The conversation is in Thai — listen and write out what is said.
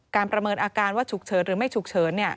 ประเมินอาการว่าฉุกเฉินหรือไม่ฉุกเฉิน